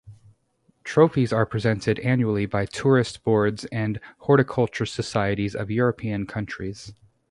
Trophies are presented annually by tourist boards and horticultural societies of European countries.